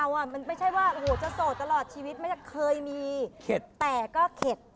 มันไม่ใช่ว่าจะโสดตลอดชีวิตไม่ได้เคยมีเข็ดแต่ก็เข็ด